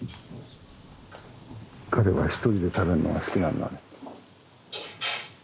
彼は一人で食べるのが好きなんだね。